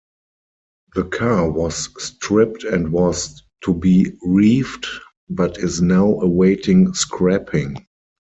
The car was stripped and was to be reefed, but is now awaiting scrapping.